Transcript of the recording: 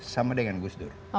sama dengan gus dur